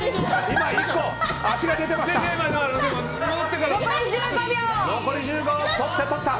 今１個、足が出てました。